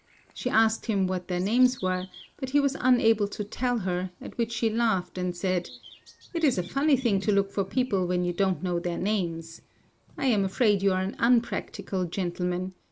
She asked him what their names were, but he was unable to tell her; at which she laughed and said, "It is a funny thing to look for people when you don't know their names. I am afraid you are an unpractical gentleman.